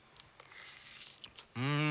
うん！